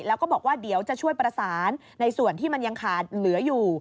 แล้วก็บอกว่าเดี๋ยวจะช่วยประสานในส่วนที่มันยังขาดเหลืออยู่